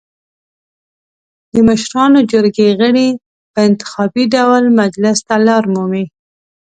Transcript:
د مشرانو جرګې غړي په انتخابي ډول مجلس ته لار مومي.